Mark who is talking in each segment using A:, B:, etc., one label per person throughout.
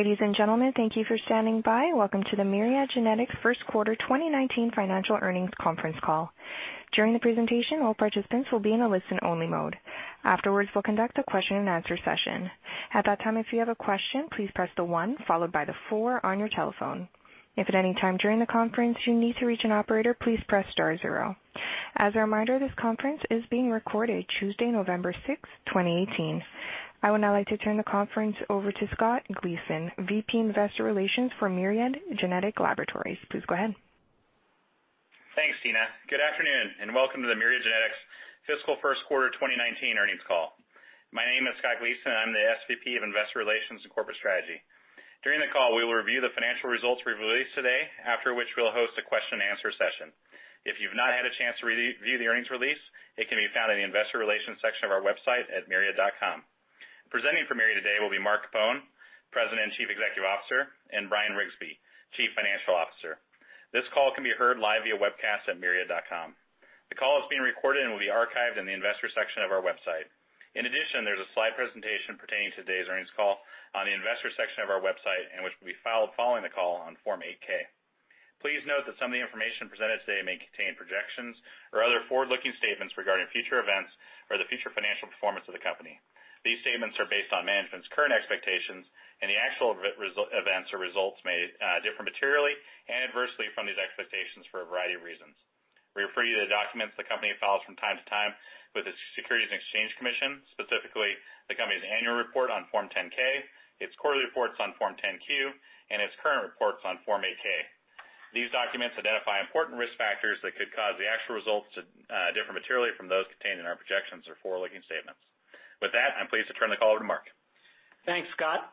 A: Ladies and gentlemen, thank you for standing by. Welcome to the Myriad Genetics First Quarter 2019 Financial Earnings Conference Call. During the presentation, all participants will be in a listen-only mode. Afterwards, we'll conduct a question and answer session. At that time, if you have a question, please press the one followed by the four on your telephone. If at any time during the conference you need to reach an operator, please press star zero. As a reminder, this conference is being recorded Tuesday, November 6, 2018. I would now like to turn the conference over to Scott Gleason, VP Investor Relations for Myriad Genetic Laboratories. Please go ahead.
B: Thanks, Tina. Good afternoon, and welcome to the Myriad Genetics Fiscal First Quarter 2019 earnings call. My name is Scott Gleason. I'm the SVP of Investor Relations and Corporate Strategy. During the call, we will review the financial results we've released today, after which we'll host a question and answer session. If you've not had a chance to review the earnings release, it can be found in the investor relations section of our website at myriad.com. Presenting for Myriad today will be Mark Capone, President and Chief Executive Officer, and Bryan Riggsbee, Chief Financial Officer. This call can be heard live via webcast at myriad.com. The call is being recorded and will be archived in the investor section of our website. In addition, there's a slide presentation pertaining to today's earnings call on the investor section of our website, and which will be filed following the call on Form 8-K. Please note that some of the information presented today may contain projections or other forward-looking statements regarding future events or the future financial performance of the company. These statements are based on management's current expectations, and the actual events or results may differ materially and adversely from these expectations for a variety of reasons. We refer you to the documents the company files from time to time with the Securities and Exchange Commission, specifically the company's annual report on Form 10-K, its quarterly reports on Form 10-Q, and its current reports on Form 8-K. These documents identify important risk factors that could cause the actual results to differ materially from those contained in our projections or forward-looking statements. With that, I'm pleased to turn the call over to Mark.
C: Thanks, Scott.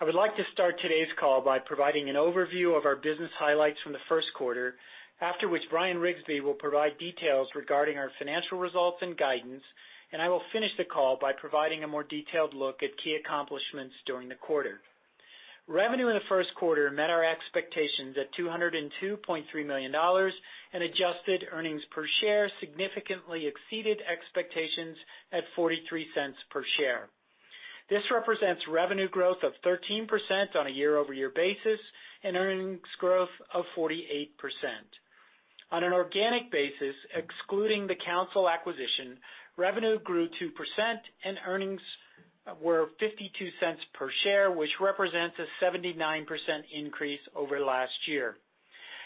C: I would like to start today's call by providing an overview of our business highlights from the First Quarter, after which Bryan Riggsbee will provide details regarding our financial results and guidance, and I will finish the call by providing a more detailed look at key accomplishments during the quarter. Revenue in the First Quarter met our expectations at $202.3 million, and adjusted earnings per share significantly exceeded expectations at $0.43 per share. This represents revenue growth of 13% on a year-over-year basis and earnings growth of 48%. On an organic basis, excluding the Counsyl acquisition, revenue grew 2% and earnings were $0.52 per share, which represents a 79% increase over last year.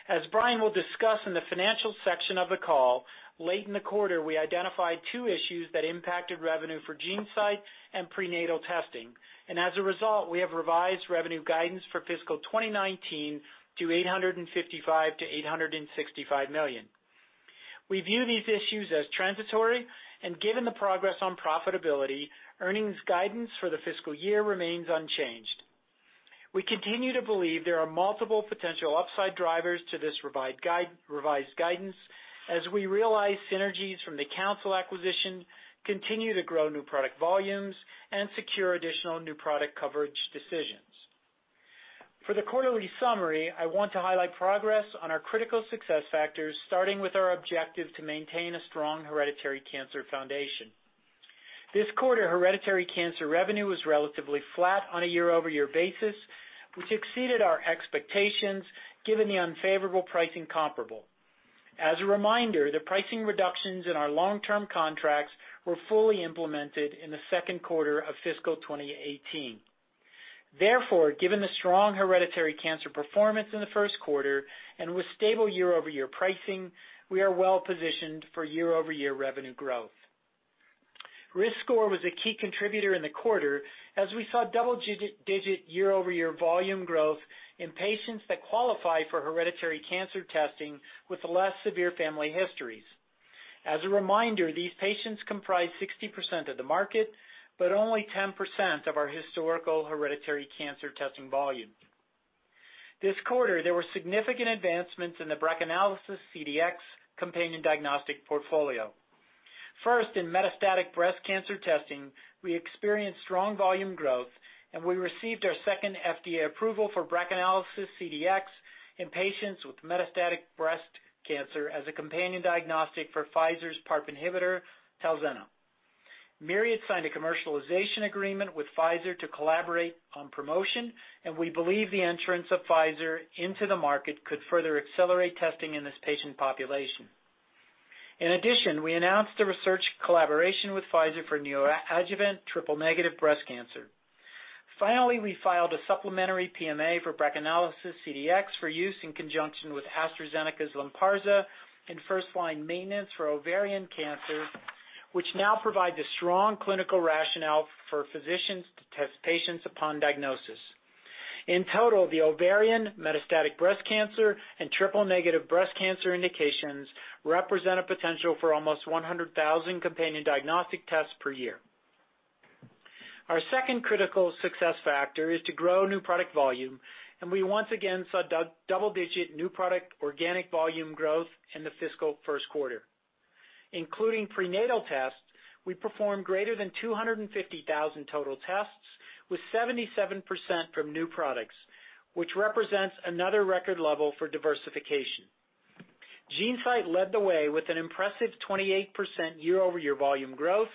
C: As Bryan will discuss in the financial section of the call, late in the quarter, we identified two issues that impacted revenue for GeneSight and prenatal testing. As a result, we have revised revenue guidance for fiscal 2019 to $855 million-$865 million. We view these issues as transitory, and given the progress on profitability, earnings guidance for the fiscal year remains unchanged. We continue to believe there are multiple potential upside drivers to this revised guidance as we realize synergies from the Counsyl acquisition, continue to grow new product volumes, and secure additional new product coverage decisions. For the quarterly summary, I want to highlight progress on our critical success factors, starting with our objective to maintain a strong hereditary cancer foundation. This quarter, hereditary cancer revenue was relatively flat on a year-over-year basis, which exceeded our expectations given the unfavorable pricing comparable. As a reminder, the pricing reductions in our long-term contracts were fully implemented in the second quarter of fiscal 2018. Given the strong hereditary cancer performance in the first quarter and with stable year-over-year pricing, we are well-positioned for year-over-year revenue growth. RiskScore was a key contributor in the quarter as we saw double-digit year-over-year volume growth in patients that qualify for hereditary cancer testing with less severe family histories. As a reminder, these patients comprise 60% of the market, but only 10% of our historical hereditary cancer testing volume. This quarter, there were significant advancements in the BRACAnalysis CDx companion diagnostic portfolio. First, in metastatic breast cancer testing, we experienced strong volume growth, and we received our second FDA approval for BRACAnalysis CDx in patients with metastatic breast cancer as a companion diagnostic for Pfizer's PARP inhibitor, TALZENNA. Myriad signed a commercialization agreement with Pfizer to collaborate on promotion. We believe the entrance of Pfizer into the market could further accelerate testing in this patient population. In addition, we announced a research collaboration with Pfizer for neoadjuvant triple-negative breast cancer. Finally, we filed a supplementary PMA for BRACAnalysis CDx for use in conjunction with AstraZeneca's LYNPARZA in first-line maintenance for ovarian cancer, which now provide the strong clinical rationale for physicians to test patients upon diagnosis. In total, the ovarian metastatic breast cancer and triple-negative breast cancer indications represent a potential for almost 100,000 companion diagnostic tests per year. Our second critical success factor is to grow new product volume. We once again saw double-digit new product organic volume growth in the fiscal first quarter. Including prenatal tests, we performed greater than 250,000 total tests, with 77% from new products, which represents another record level for diversification. GeneSight led the way with an impressive 28% year-over-year volume growth.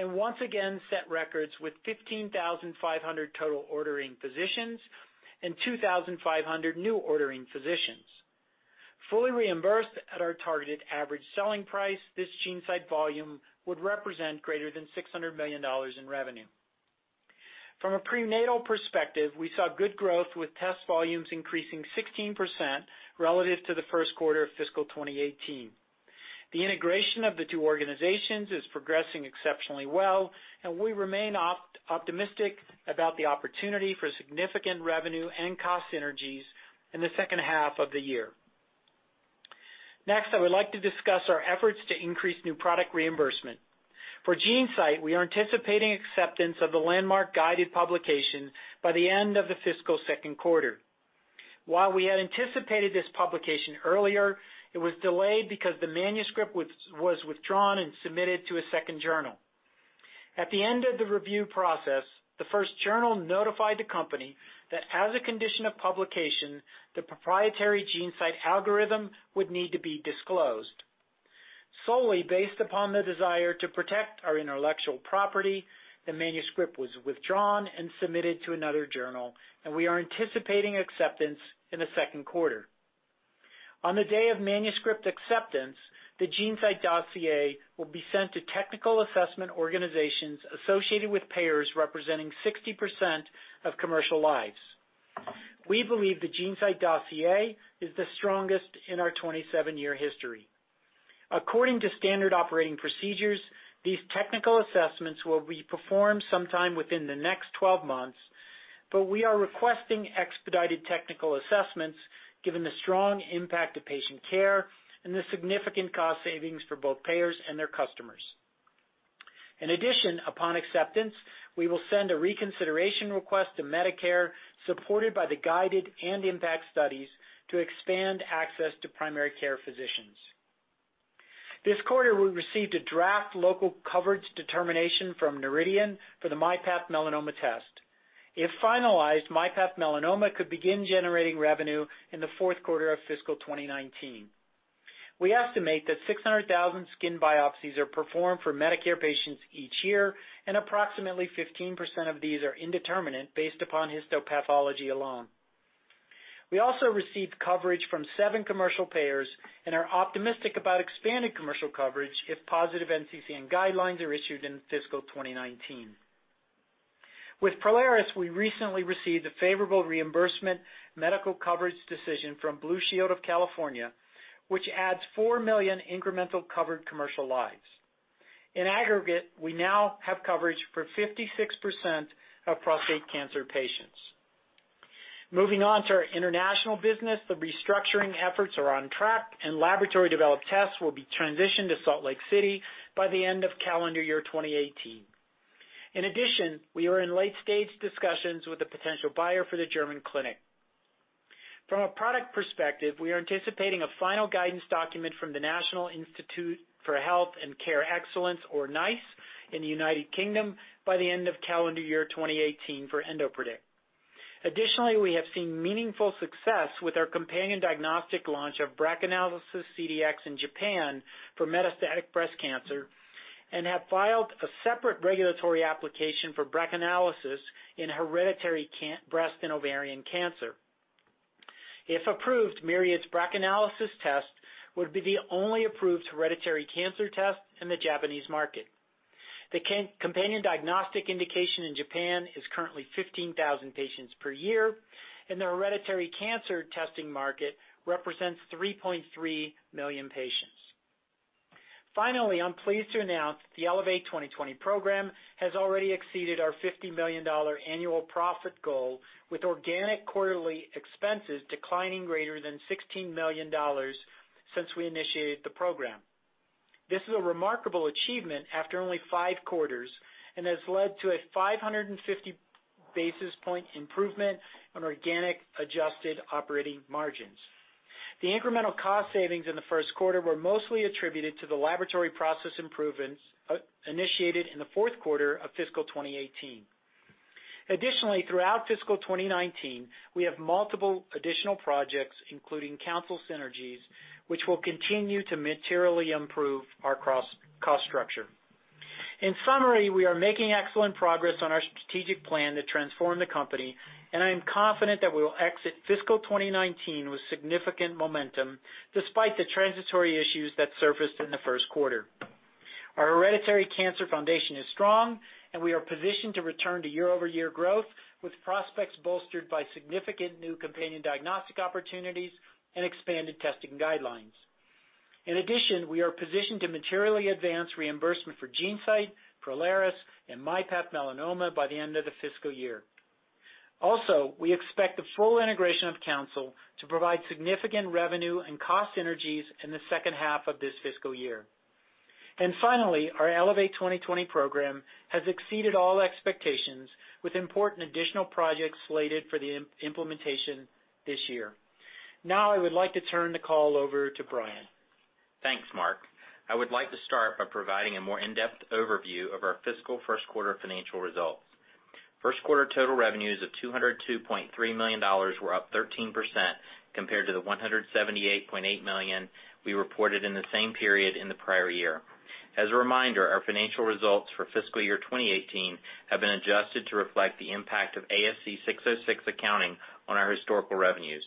C: Once again set records with 15,500 total ordering physicians and 2,500 new ordering physicians. Fully reimbursed at our targeted average selling price, this GeneSight volume would represent greater than $600 million in revenue. From a prenatal perspective, we saw good growth with test volumes increasing 16% relative to the first quarter of fiscal 2018. The integration of the two organizations is progressing exceptionally well. We remain optimistic about the opportunity for significant revenue and cost synergies in the second half of the year. Next, I would like to discuss our efforts to increase new product reimbursement. For GeneSight, we are anticipating acceptance of the landmark GUIDED publication by the end of the fiscal second quarter. While we had anticipated this publication earlier, it was delayed because the manuscript was withdrawn and submitted to a second journal. At the end of the review process, the first journal notified the company that as a condition of publication, the proprietary GeneSight algorithm would need to be disclosed. Solely based upon the desire to protect our intellectual property, the manuscript was withdrawn and submitted to another journal, and we are anticipating acceptance in the second quarter. On the day of manuscript acceptance, the GeneSight dossier will be sent to technical assessment organizations associated with payers representing 60% of commercial lives. We believe the GeneSight dossier is the strongest in our 27-year history. According to standard operating procedures, these technical assessments will be performed sometime within the next 12 months. We are requesting expedited technical assessments given the strong impact to patient care and the significant cost savings for both payers and their customers. In addition, upon acceptance, we will send a reconsideration request to Medicare supported by the GUIDED and IMPACT studies to expand access to primary care physicians. This quarter, we received a draft local coverage determination from Noridian for the myPath Melanoma test. If finalized, myPath Melanoma could begin generating revenue in the fourth quarter of fiscal 2019. We estimate that 600,000 skin biopsies are performed for Medicare patients each year, and approximately 15% of these are indeterminate based upon histopathology alone. We also received coverage from seven commercial payers and are optimistic about expanded commercial coverage if positive NCCN guidelines are issued in fiscal 2019. With Prolaris, we recently received a favorable reimbursement medical coverage decision from Blue Shield of California, which adds 4 million incremental covered commercial lives. In aggregate, we now have coverage for 56% of prostate cancer patients. Moving on to our international business, the restructuring efforts are on track, and laboratory-developed tests will be transitioned to Salt Lake City by the end of calendar year 2018. In addition, we are in late-stage discussions with a potential buyer for the German clinic. From a product perspective, we are anticipating a final guidance document from the National Institute for Health and Care Excellence, or NICE, in the U.K. by the end of calendar year 2018 for EndoPredict. Additionally, we have seen meaningful success with our companion diagnostic launch of BRACAnalysis CDx in Japan for metastatic breast cancer, and have filed a separate regulatory application for BRACAnalysis in hereditary breast and ovarian cancer. If approved, Myriad's BRACAnalysis test would be the only approved hereditary cancer test in the Japanese market. The companion diagnostic indication in Japan is currently 15,000 patients per year, and the hereditary cancer testing market represents 3.3 million patients. Finally, I'm pleased to announce that the Elevate 2020 program has already exceeded our $50 million annual profit goal, with organic quarterly expenses declining greater than $16 million since we initiated the program. This is a remarkable achievement after only five quarters and has led to a 550-basis point improvement on organic adjusted operating margins. The incremental cost savings in the first quarter were mostly attributed to the laboratory process improvements initiated in the fourth quarter of fiscal 2018. Additionally, throughout fiscal 2019, we have multiple additional projects, including Counsyl Synergies, which will continue to materially improve our cost structure. In summary, we are making excellent progress on our strategic plan to transform the company. I am confident that we will exit fiscal 2019 with significant momentum despite the transitory issues that surfaced in the first quarter. Our hereditary cancer foundation is strong, and we are positioned to return to year-over-year growth, with prospects bolstered by significant new companion diagnostic opportunities and expanded testing guidelines. Also, we are positioned to materially advance reimbursement for GeneSight, Prolaris, and myPath Melanoma by the end of the fiscal year. We expect the full integration of Counsyl to provide significant revenue and cost synergies in the second half of this fiscal year. Finally, our Elevate 2020 program has exceeded all expectations with important additional projects slated for the implementation this year. Now, I would like to turn the call over to Bryan.
D: Thanks, Mark. I would like to start by providing a more in-depth overview of our fiscal first quarter financial results. First quarter total revenues of $202.3 million were up 13% compared to the $178.8 million we reported in the same period in the prior year. As a reminder, our financial results for fiscal year 2018 have been adjusted to reflect the impact of ASC 606 accounting on our historical revenues.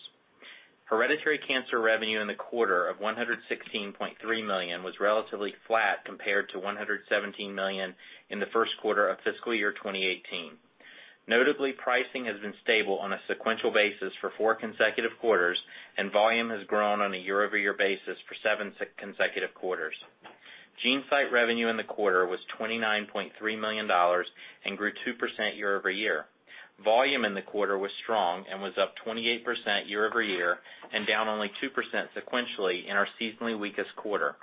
D: Hereditary cancer revenue in the quarter of $116.3 million was relatively flat compared to $117 million in the first quarter of fiscal year 2018. Notably, pricing has been stable on a sequential basis for four consecutive quarters, and volume has grown on a year-over-year basis for seven consecutive quarters. GeneSight revenue in the quarter was $29.3 million and grew 2% year-over-year. Volume in the quarter was strong and was up 28% year-over-year and down only 2% sequentially in our seasonally weakest quarter.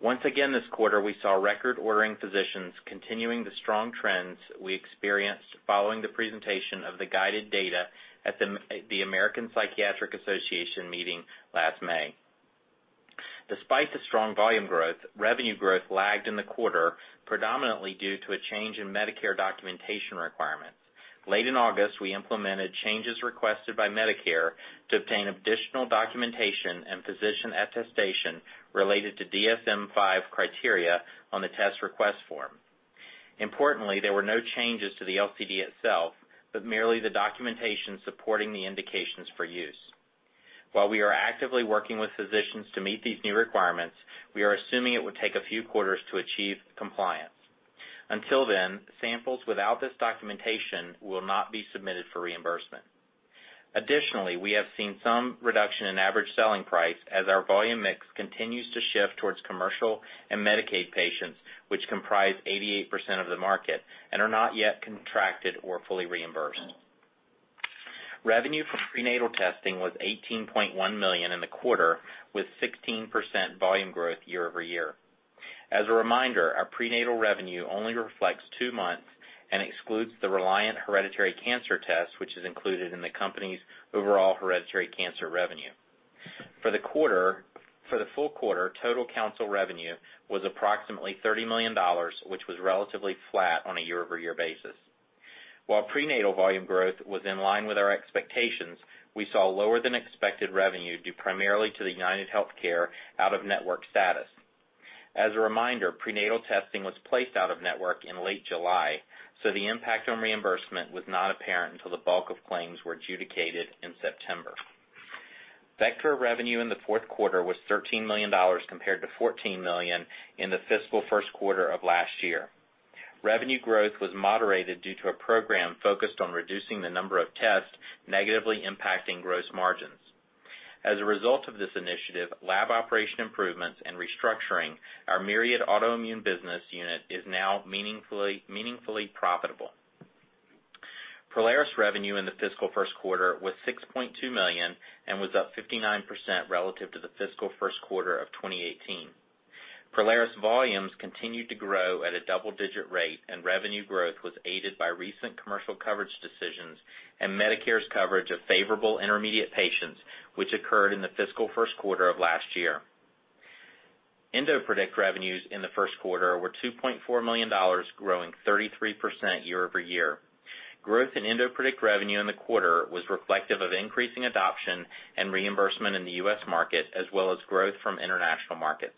D: Once again, this quarter, we saw record ordering physicians continuing the strong trends we experienced following the presentation of the GUIDED data at the American Psychiatric Association meeting last May. Despite the strong volume growth, revenue growth lagged in the quarter, predominantly due to a change in Medicare documentation requirements. Late in August, we implemented changes requested by Medicare to obtain additional documentation and physician attestation related to DSM-5 criteria on the test request form. Importantly, there were no changes to the LCD itself, but merely the documentation supporting the indications for use. While we are actively working with physicians to meet these new requirements, we are assuming it would take a few quarters to achieve compliance. Until then, samples without this documentation will not be submitted for reimbursement. Additionally, we have seen some reduction in average selling price as our volume mix continues to shift towards commercial and Medicaid patients, which comprise 88% of the market and are not yet contracted or fully reimbursed. Revenue from prenatal testing was $18.1 million in the quarter, with 16% volume growth year-over-year. As a reminder, our prenatal revenue only reflects two months and excludes the Reliant hereditary cancer test, which is included in the company's overall hereditary cancer revenue. For the full quarter, total Counsyl revenue was approximately $30 million, which was relatively flat on a year-over-year basis. While prenatal volume growth was in line with our expectations, we saw lower than expected revenue due primarily to the UnitedHealthcare out-of-network status. As a reminder, prenatal testing was placed out-of-network in late July, so the impact on reimbursement was not apparent until the bulk of claims were adjudicated in September. Vectra revenue in the fourth quarter was $13 million compared to $14 million in the fiscal first quarter of last year. Revenue growth was moderated due to a program focused on reducing the number of tests, negatively impacting gross margins. As a result of this initiative, lab operation improvements and restructuring, our Myriad autoimmune business unit is now meaningfully profitable. Prolaris revenue in the fiscal first quarter was $6.2 million and was up 59% relative to the fiscal first quarter of 2018. Prolaris volumes continued to grow at a double-digit rate and revenue growth was aided by recent commercial coverage decisions and Medicare's coverage of favorable intermediate patients, which occurred in the fiscal first quarter of last year. EndoPredict revenues in the first quarter were $2.4 million, growing 33% year-over-year. Growth in EndoPredict revenue in the quarter was reflective of increasing adoption and reimbursement in the U.S. market, as well as growth from international markets.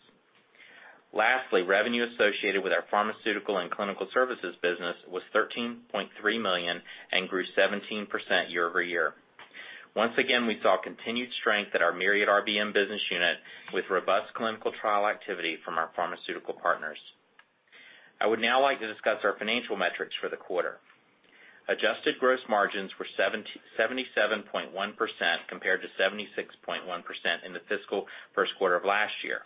D: Lastly, revenue associated with our pharmaceutical and clinical services business was $13.3 million and grew 17% year-over-year. Once again, we saw continued strength at our Myriad RBM business unit with robust clinical trial activity from our pharmaceutical partners. I would now like to discuss our financial metrics for the quarter. Adjusted gross margins were 77.1% compared to 76.1% in the fiscal first quarter of last year.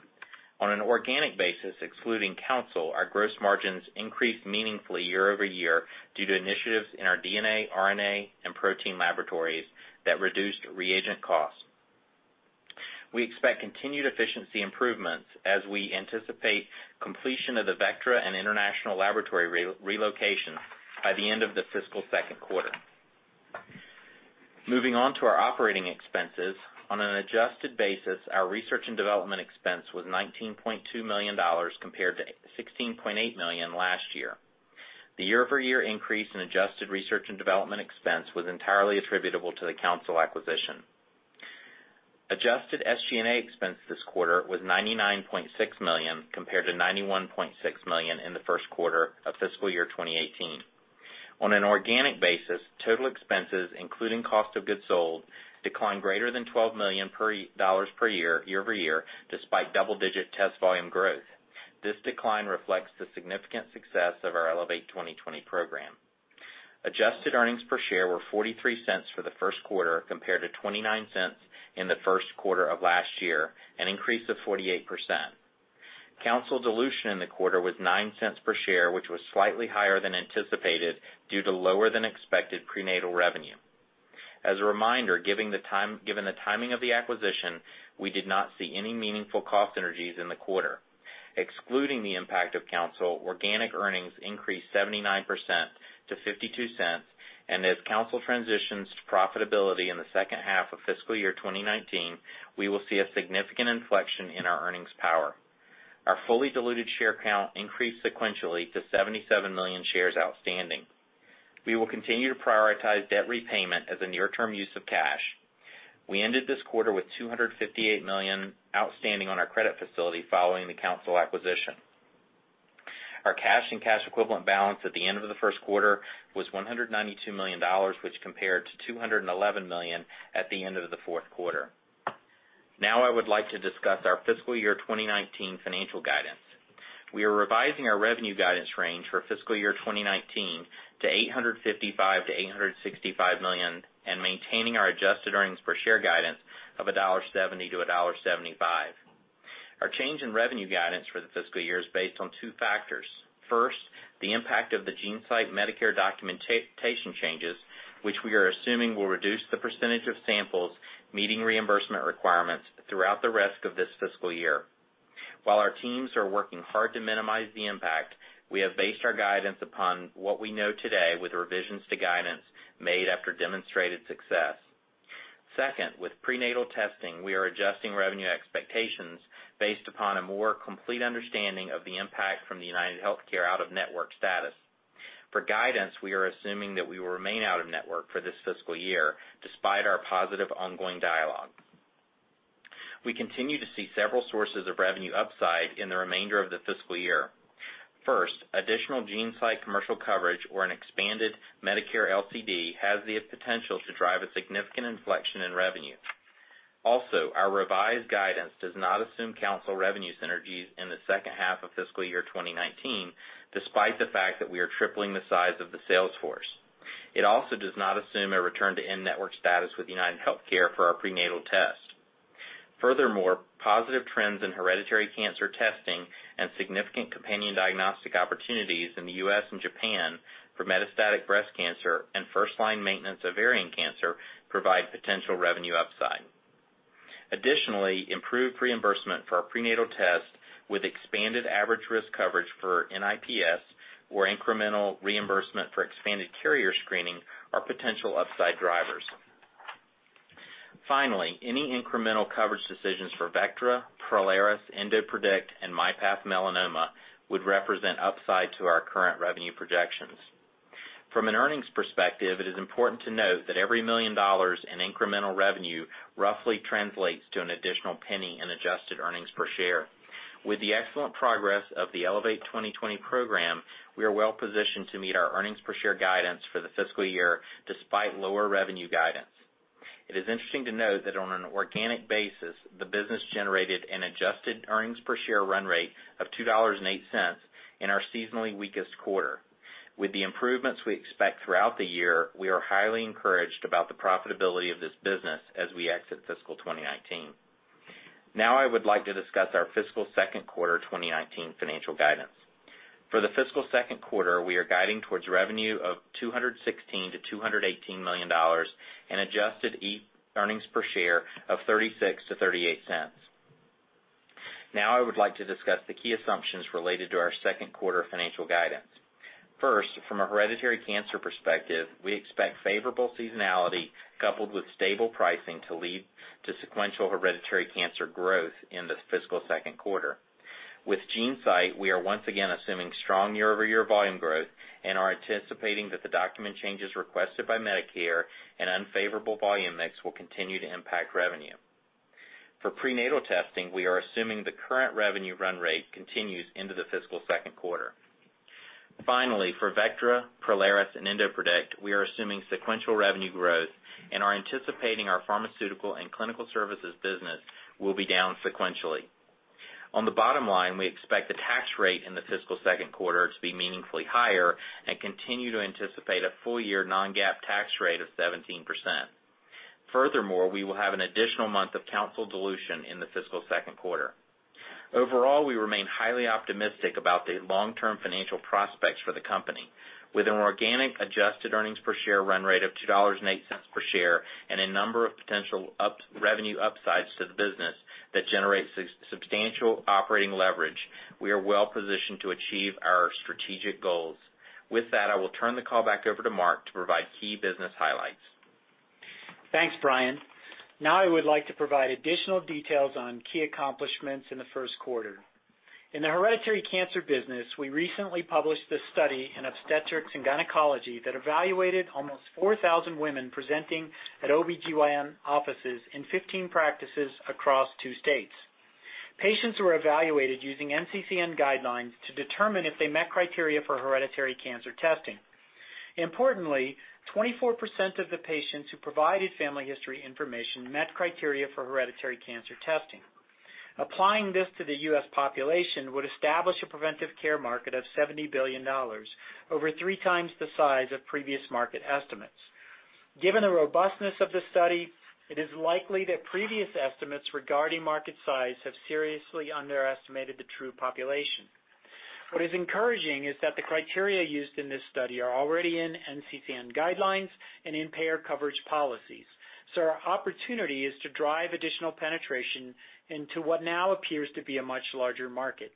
D: On an organic basis, excluding Counsyl, our gross margins increased meaningfully year-over-year due to initiatives in our DNA, RNA, and protein laboratories that reduced reagent costs. We expect continued efficiency improvements as we anticipate completion of the Vectra and international laboratory relocation by the end of the fiscal second quarter. Moving on to our operating expenses. On an adjusted basis, our research and development expense was $19.2 million compared to $16.8 million last year. The year-over-year increase in adjusted research and development expense was entirely attributable to the Counsyl acquisition. Adjusted SG&A expense this quarter was $99.6 million compared to $91.6 million in the first quarter of FY 2018. On an organic basis, total expenses, including cost of goods sold, declined greater than $12 million per year-over-year, despite double-digit test volume growth. This decline reflects the significant success of our Elevate 2020 program. Adjusted earnings per share were $0.43 for the first quarter compared to $0.29 in the first quarter of last year, an increase of 48%. Counsyl dilution in the quarter was $0.09 per share, which was slightly higher than anticipated due to lower than expected prenatal revenue. As a reminder, given the timing of the acquisition, we did not see any meaningful cost synergies in the quarter. Excluding the impact of Counsyl, organic earnings increased 79% to $0.52. As Counsyl transitions to profitability in the second half of FY 2019, we will see a significant inflection in our earnings power. Our fully diluted share count increased sequentially to 77 million shares outstanding. We will continue to prioritize debt repayment as a near-term use of cash. We ended this quarter with $258 million outstanding on our credit facility following the Counsyl acquisition. Our cash and cash equivalent balance at the end of the first quarter was $192 million, which compared to $211 million at the end of the fourth quarter. I would now like to discuss our FY 2019 financial guidance. We are revising our revenue guidance range for fiscal year 2019 to $855 million-$865 million and maintaining our adjusted earnings per share guidance of $1.70-$1.75. Our change in revenue guidance for the fiscal year is based on two factors. First, the impact of the GeneSight Medicare documentation changes, which we are assuming will reduce the percentage of samples meeting reimbursement requirements throughout the rest of this fiscal year. While our teams are working hard to minimize the impact, we have based our guidance upon what we know today, with revisions to guidance made after demonstrated success. Second, with prenatal testing, we are adjusting revenue expectations based upon a more complete understanding of the impact from the UnitedHealthcare out-of-network status. For guidance, we are assuming that we will remain out-of-network for this fiscal year, despite our positive ongoing dialogue. We continue to see several sources of revenue upside in the remainder of the fiscal year. First, additional GeneSight commercial coverage or an expanded Medicare LCD has the potential to drive a significant inflection in revenue. Our revised guidance does not assume Counsyl revenue synergies in the second half of fiscal year 2019, despite the fact that we are tripling the size of the sales force. It also does not assume a return to in-network status with UnitedHealthcare for our prenatal test. Positive trends in hereditary cancer testing and significant companion diagnostic opportunities in the U.S. and Japan for metastatic breast cancer and first-line maintenance ovarian cancer provide potential revenue upside. Improved reimbursement for our prenatal test with expanded average-risk coverage for NIPS or incremental reimbursement for expanded carrier screening are potential upside drivers. Any incremental coverage decisions for Vectra, Prolaris, EndoPredict, and myPath Melanoma would represent upside to our current revenue projections. From an earnings perspective, it is important to note that every million dollars in incremental revenue roughly translates to an additional $0.01 in adjusted earnings per share. With the excellent progress of the Elevate 2020 program, we are well-positioned to meet our earnings per share guidance for the fiscal year, despite lower revenue guidance. It is interesting to note that on an organic basis, the business generated an adjusted earnings per share run rate of $2.08 in our seasonally weakest quarter. With the improvements we expect throughout the year, we are highly encouraged about the profitability of this business as we exit fiscal 2019. I would like to discuss our fiscal second quarter 2019 financial guidance. For the fiscal second quarter, we are guiding towards revenue of $216 million-$218 million and adjusted earnings per share of $0.36-$0.38. I would like to discuss the key assumptions related to our second quarter financial guidance. From a hereditary cancer perspective, we expect favorable seasonality coupled with stable pricing to lead to sequential hereditary cancer growth in the fiscal second quarter. With GeneSight, we are once again assuming strong year-over-year volume growth and are anticipating that the document changes requested by Medicare and unfavorable volume mix will continue to impact revenue. For prenatal testing, we are assuming the current revenue run rate continues into the fiscal second quarter. For Vectra, Prolaris, and EndoPredict, we are assuming sequential revenue growth and are anticipating our pharmaceutical and clinical services business will be down sequentially. On the bottom line, we expect the tax rate in the fiscal second quarter to be meaningfully higher and continue to anticipate a full-year non-GAAP tax rate of 17%. Furthermore, we will have an additional month of Counsyl dilution in the fiscal second quarter. Overall, we remain highly optimistic about the long-term financial prospects for the company. With an organic adjusted earnings per share run rate of $2.08 per share and a number of potential revenue upsides to the business that generate substantial operating leverage, we are well-positioned to achieve our strategic goals. With that, I will turn the call back over to Mark to provide key business highlights.
C: Thanks, Bryan. Now I would like to provide additional details on key accomplishments in the first quarter. In the hereditary cancer business, we recently published a study in Obstetrics & Gynecology that evaluated almost 4,000 women presenting at OBGYN offices in 15 practices across two states. Patients were evaluated using NCCN guidelines to determine if they met criteria for hereditary cancer testing. Importantly, 24% of the patients who provided family history information met criteria for hereditary cancer testing. Applying this to the U.S. population would establish a preventive care market of $70 billion, over three times the size of previous market estimates. Given the robustness of the study, it is likely that previous estimates regarding market size have seriously underestimated the true population. What is encouraging is that the criteria used in this study are already in NCCN guidelines and in payer coverage policies. Our opportunity is to drive additional penetration into what now appears to be a much larger market.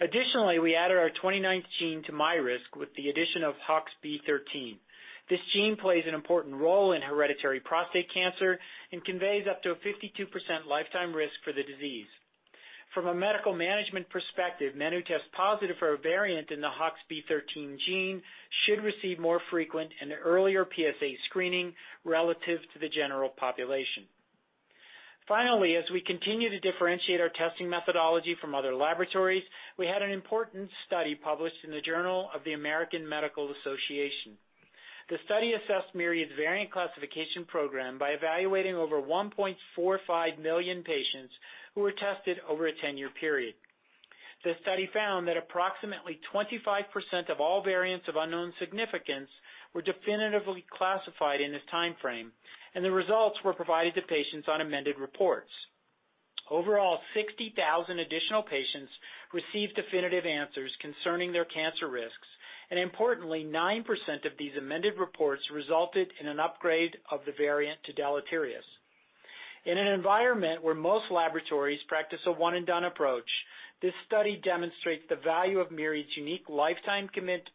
C: Additionally, we added our 29th gene to myRisk with the addition of HOXB13. This gene plays an important role in hereditary prostate cancer and conveys up to a 52% lifetime risk for the disease. From a medical management perspective, men who test positive for a variant in the HOXB13 gene should receive more frequent and earlier PSA screening relative to the general population. Finally, as we continue to differentiate our testing methodology from other laboratories, we had an important study published in the Journal of the American Medical Association. The study assessed Myriad's variant classification program by evaluating over 1.45 million patients who were tested over a 10-year period. The study found that approximately 25% of all variants of unknown significance were definitively classified in this timeframe, and the results were provided to patients on amended reports. Overall, 60,000 additional patients received definitive answers concerning their cancer risks, and importantly, 9% of these amended reports resulted in an upgrade of the variant to deleterious. In an environment where most laboratories practice a one-and-done approach, this study demonstrates the value of Myriad's unique lifetime commitment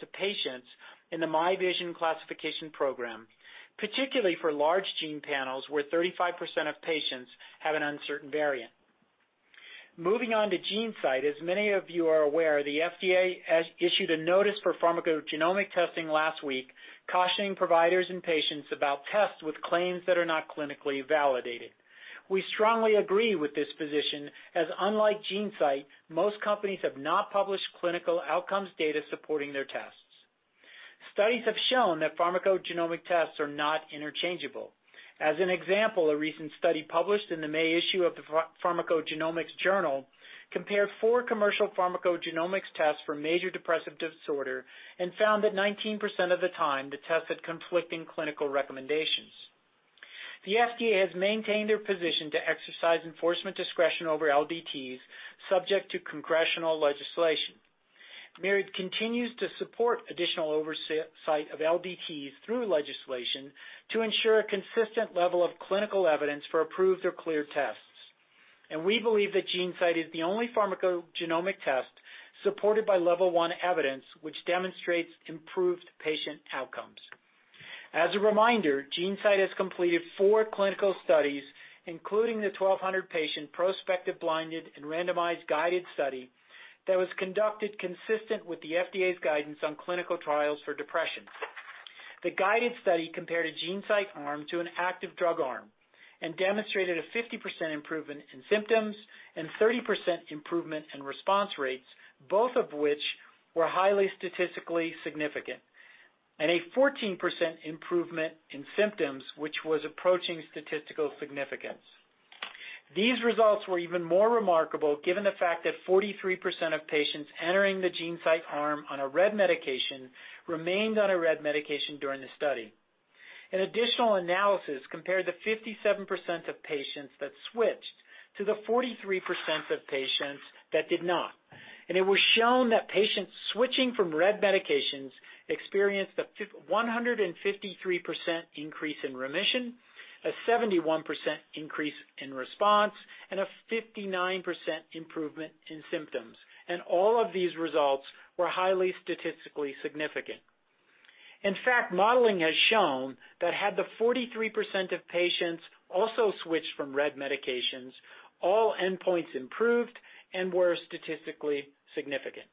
C: to patients in the myVision classification program, particularly for large gene panels where 35% of patients have an uncertain variant. Moving on to GeneSight, as many of you are aware, the FDA has issued a notice for pharmacogenomic testing last week cautioning providers and patients about tests with claims that are not clinically validated. We strongly agree with this position, as unlike GeneSight, most companies have not published clinical outcomes data supporting their tests. Studies have shown that pharmacogenomic tests are not interchangeable. As an example, a recent study published in the May issue of The Pharmacogenomics Journal compared four commercial pharmacogenomics tests for major depressive disorder and found that 19% of the time, the tests had conflicting clinical recommendations. The FDA has maintained their position to exercise enforcement discretion over LDTs, subject to congressional legislation. Myriad continues to support additional oversight of LDTs through legislation to ensure a consistent level of clinical evidence for approved or cleared tests. We believe that GeneSight is the only pharmacogenomic test supported by level 1 evidence, which demonstrates improved patient outcomes. As a reminder, GeneSight has completed four clinical studies, including the 1,200-patient prospective blinded and randomized GUIDED study that was conducted consistent with the FDA's guidance on clinical trials for depression. The GUIDED study compared a GeneSight arm to an active drug arm and demonstrated a 50% improvement in symptoms and 30% improvement in response rates, both of which were highly statistically significant, and a 14% improvement in symptoms, which was approaching statistical significance. These results were even more remarkable given the fact that 43% of patients entering the GeneSight arm on a RED medication remained on a RED medication during the study. An additional analysis compared the 57% of patients that switched to the 43% of patients that did not. It was shown that patients switching from RED medications experienced a 153% increase in remission, a 71% increase in response, and a 59% improvement in symptoms. All of these results were highly statistically significant. In fact, modeling has shown that had the 43% of patients also switched from RED medications, all endpoints improved and were statistically significant.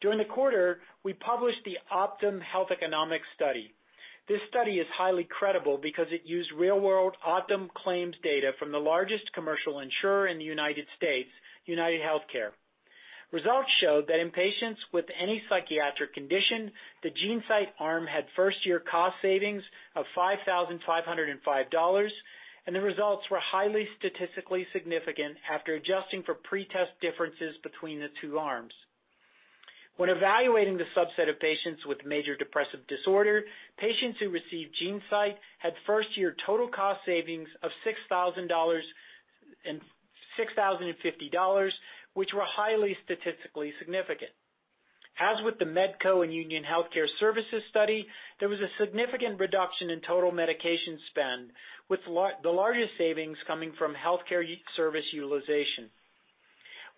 C: During the quarter, we published the Optum Health Economics Study. This study is highly credible because it used real-world Optum claims data from the largest commercial insurer in the U.S., UnitedHealthcare. Results showed that in patients with any psychiatric condition, the GeneSight arm had first-year cost savings of $5,505. The results were highly statistically significant after adjusting for pretest differences between the two arms. When evaluating the subset of patients with major depressive disorder, patients who received GeneSight had first-year total cost savings of $6,050, which were highly statistically significant. As with the Medco and Univera Healthcare study, there was a significant reduction in total medication spend, with the largest savings coming from healthcare service utilization.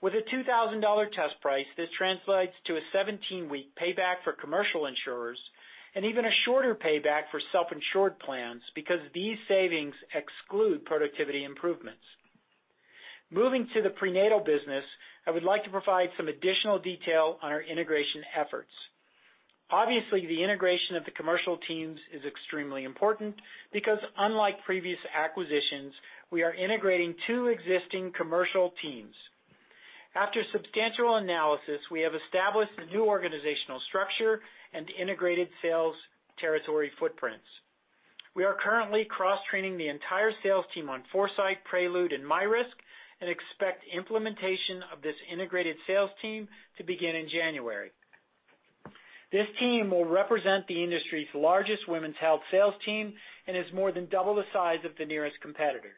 C: With a $2,000 test price, this translates to a 17-week payback for commercial insurers and even a shorter payback for self-insured plans because these savings exclude productivity improvements. Moving to the prenatal business, I would like to provide some additional detail on our integration efforts. Obviously, the integration of the commercial teams is extremely important because, unlike previous acquisitions, we are integrating two existing commercial teams. After substantial analysis, we have established a new organizational structure and integrated sales territory footprints. We are currently cross-training the entire sales team on Foresight, Prequel, and myRisk and expect implementation of this integrated sales team to begin in January. This team will represent the industry's largest women's health sales team and is more than double the size of the nearest competitor.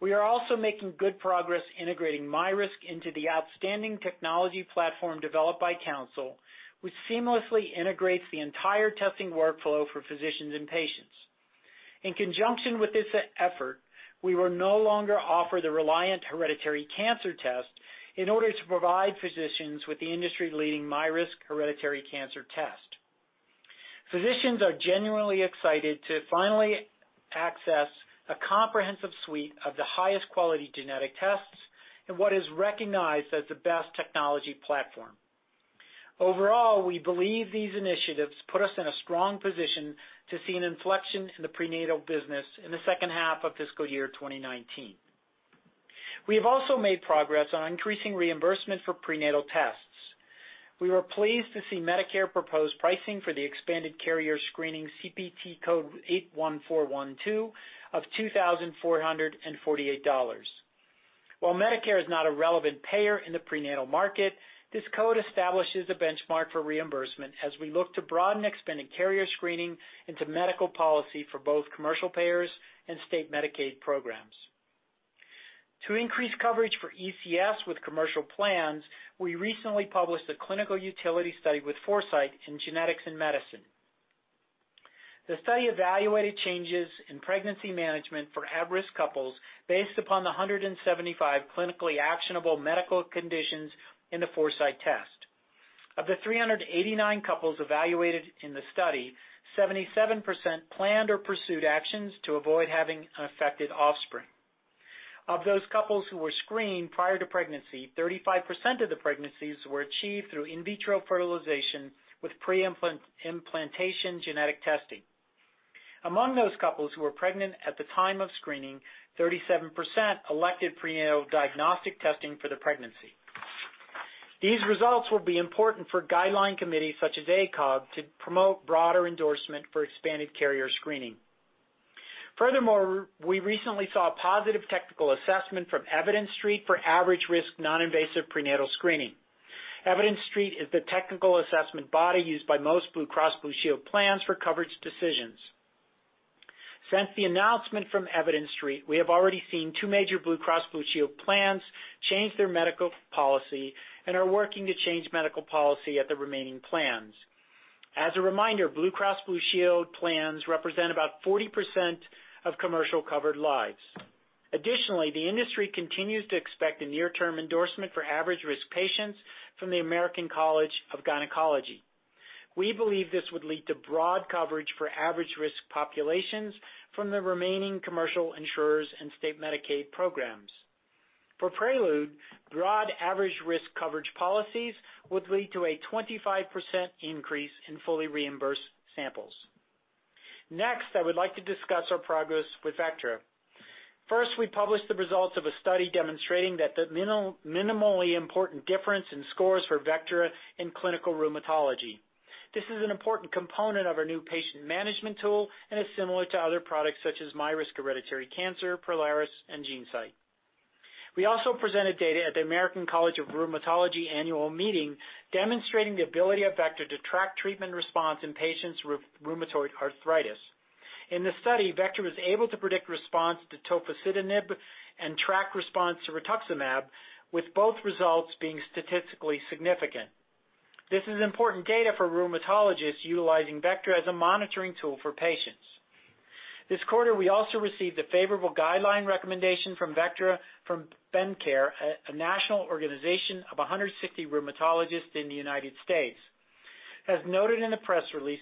C: We are also making good progress integrating myRisk into the outstanding technology platform developed by Counsyl, which seamlessly integrates the entire testing workflow for physicians and patients. In conjunction with this effort, we will no longer offer the Reliant Hereditary Cancer test in order to provide physicians with the industry-leading myRisk Hereditary Cancer test. Physicians are genuinely excited to finally access a comprehensive suite of the highest quality genetic tests and what is recognized as the best technology platform. Overall, we believe these initiatives put us in a strong position to see an inflection in the prenatal business in the second half of fiscal year 2019. We have also made progress on increasing reimbursement for prenatal tests. We were pleased to see Medicare propose pricing for the expanded carrier screening CPT code 81412 of $2,448. Medicare is not a relevant payer in the prenatal market, this code establishes a benchmark for reimbursement as we look to broaden expanded carrier screening into medical policy for both commercial payers and state Medicaid programs. To increase coverage for ECS with commercial plans, we recently published a clinical utility study with Foresight in Genetics in Medicine. The study evaluated changes in pregnancy management for at-risk couples based upon the 175 clinically actionable medical conditions in the Foresight test. Of the 389 couples evaluated in the study, 77% planned or pursued actions to avoid having an affected offspring. Of those couples who were screened prior to pregnancy, 35% of the pregnancies were achieved through in vitro fertilization with pre-implantation genetic testing. Among those couples who were pregnant at the time of screening, 37% elected prenatal diagnostic testing for the pregnancy. These results will be important for guideline committees such as ACOG to promote broader endorsement for expanded carrier screening. We recently saw a positive technical assessment from Evidence Street for average risk non-invasive prenatal screening. Evidence Street is the technical assessment body used by most Blue Cross Blue Shield plans for coverage decisions. Since the announcement from Evidence Street, we have already seen two major Blue Cross Blue Shield plans change their medical policy and are working to change medical policy at the remaining plans. As a reminder, Blue Cross Blue Shield plans represent about 40% of commercial covered lives. The industry continues to expect a near-term endorsement for average-risk patients from the American College of Gynecology. We believe this would lead to broad coverage for average-risk populations from the remaining commercial insurers and state Medicaid programs. For Prequel, broad average-risk coverage policies would lead to a 25% increase in fully reimbursed samples. I would like to discuss our progress with Vectra. We published the results of a study demonstrating that the minimally important difference in scores for Vectra in clinical rheumatology. This is an important component of our new patient management tool and is similar to other products such as myRisk Hereditary Cancer, Prolaris, and GeneSight. We also presented data at the American College of Rheumatology annual meeting demonstrating the ability of Vectra to track treatment response in patients with rheumatoid arthritis. In the study, Vectra was able to predict response to tofacitinib and track response to rituximab, with both results being statistically significant. This is important data for rheumatologists utilizing Vectra as a monitoring tool for patients. This quarter, we also received a favorable guideline recommendation from Vectra from BeneCare, a national organization of 160 rheumatologists in the United States. As noted in the press release,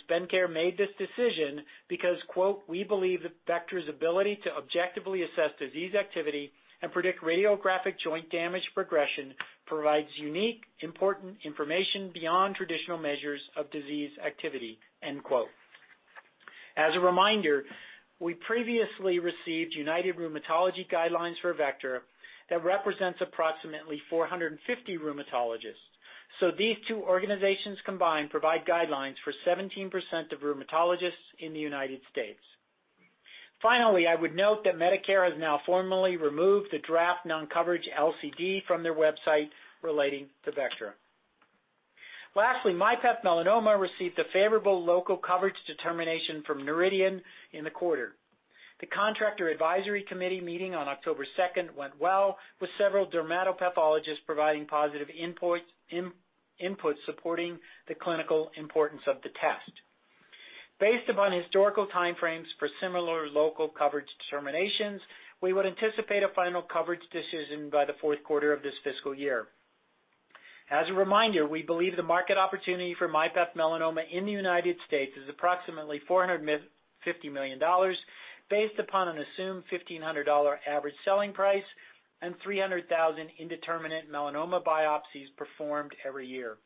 C: quote, "We believe that Vectra's ability to objectively assess disease activity and predict radiographic joint damage progression provides unique, important information beyond traditional measures of disease activity." End quote. As a reminder, we previously received United Rheumatology guidelines for Vectra that represents approximately 450 rheumatologists. So these two organizations combined provide guidelines for 17% of rheumatologists in the United States. Finally, I would note that Medicare has now formally removed the draft non-coverage LCD from their website relating to Vectra. Lastly, myPath Melanoma received a favorable local coverage determination from Noridian in the quarter. The contractor advisory committee meeting on October 2nd went well, with several dermatopathologists providing positive inputs supporting the clinical importance of the test. Based upon historical time frames for similar local coverage determinations, we would anticipate a final coverage decision by the fourth quarter of this fiscal year. As a reminder, we believe the market opportunity for myPath Melanoma in the United States is approximately $450 million, based upon an assumed $1,500 average selling price and 300,000 indeterminate melanoma biopsies performed every year.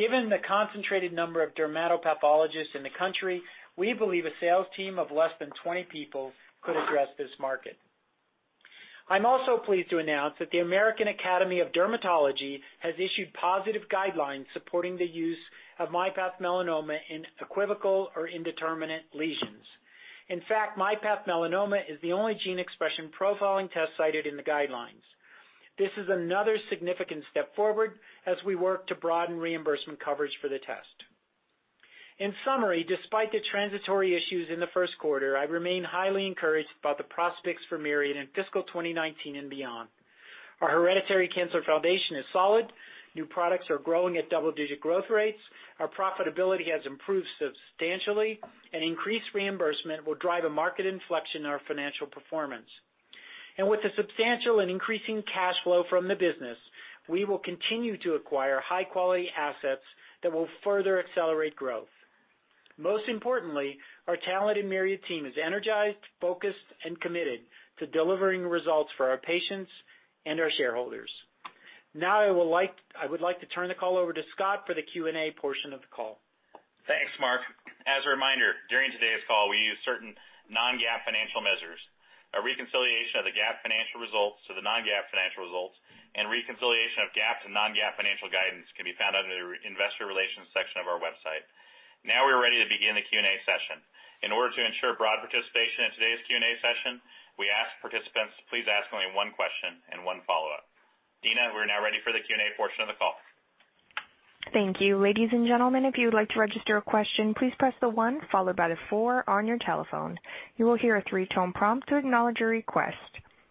C: Given the concentrated number of dermatopathologists in the country, we believe a sales team of less than 20 people could address this market. I'm also pleased to announce that the American Academy of Dermatology has issued positive guidelines supporting the use of myPath Melanoma in equivocal or indeterminate lesions. In fact, myPath Melanoma is the only gene expression profiling test cited in the guidelines. This is another significant step forward as we work to broaden reimbursement coverage for the test. In summary, despite the transitory issues in the first quarter, I remain highly encouraged about the prospects for Myriad in fiscal 2019 and beyond. Our hereditary cancer foundation is solid. New products are growing at double-digit growth rates. Our profitability has improved substantially. And increased reimbursement will drive a market inflection in our financial performance. And with a substantial and increasing cash flow from the business, we will continue to acquire high-quality assets that will further accelerate growth. Most importantly, our talented Myriad team is energized, focused, and committed to delivering results for our patients and our shareholders. Now, I would like to turn the call over to Scott for the Q&A portion of the call.
B: Thanks, Mark. As a reminder, during today's call, we use certain non-GAAP financial measures. A reconciliation of the GAAP financial results to the non-GAAP financial results and reconciliation of GAAP to non-GAAP financial guidance can be found under the investor relations section of our website. Now we're ready to begin the Q&A session. In order to ensure broad participation in today's Q&A session, we ask participants to please ask only one question and one follow-up. Tina, we're now ready for the Q&A portion of the call.
A: Thank you. Ladies and gentlemen, if you would like to register a question, please press the one followed by the four on your telephone. You will hear a three-tone prompt to acknowledge your request.